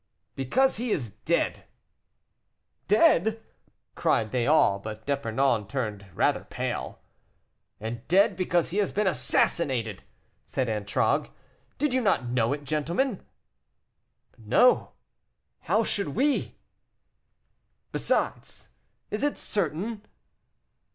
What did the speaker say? "Because he is dead." "Dead!" cried they all, but D'Epernon turned rather pale. "And dead because he has been assassinated," said Antragues. "Did you not know it, gentlemen?" "No; how should we?" "Besides, is it certain?"